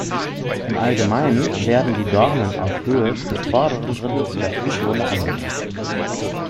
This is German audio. Im Allgemeinen werden die Dornen auf Höhe des vorderen Drittels der Fußsohle angebracht.